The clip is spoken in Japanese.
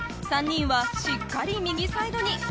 ３人はしっかり右サイドに。